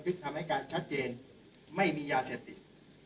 คำให้การชัดเจนไม่มียาเสพติด